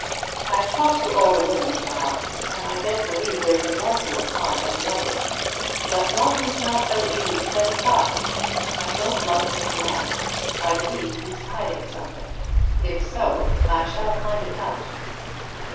I've talked to all the women of the house, and I don't believe there's a morsel of harm in one of them. But Martin's not so easy set aside. I don't like his manner; I believe he's hiding something. If so, I shall find it out."